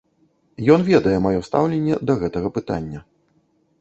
Ён ведае маё стаўленне да гэтага пытання.